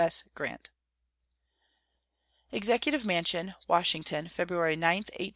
S. GRANT. EXECUTIVE MANSION, Washington, February 9, 1874.